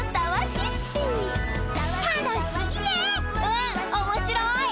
うんおもしろい。